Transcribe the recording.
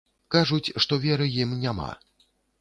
Кажуць, што веры ім няма.